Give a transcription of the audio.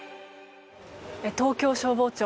東京消防庁